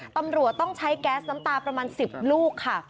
ตำรวจต้องใช้แก๊สน้ำตาประมาณ๑๐ลูกค่ะ